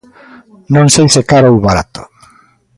Non sei se caro ou barato.